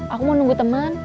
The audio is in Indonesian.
aku mau nunggu teman